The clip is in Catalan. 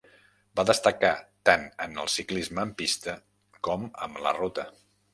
Va destacar tant en el ciclisme en pista com en la ruta.